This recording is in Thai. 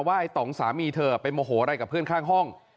ไอ้ต่องสามีเธอไปโมโหอะไรกับเพื่อนข้างห้อง